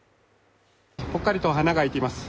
ぽっかりと穴が開いています。